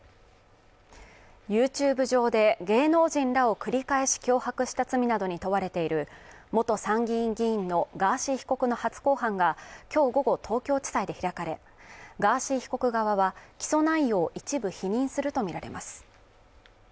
ＹｏｕＴｕｂｅ上で芸能人らを繰り返し脅迫した罪などに問われている元参議院議員のガーシー被告の初公判がきょう午後東京地裁で開かれガーシー被告側は起訴内容を一部否認すると見られます